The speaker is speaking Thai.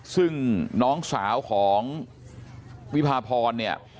ซึ่งน้องสาวของวิพาพรเนี่ย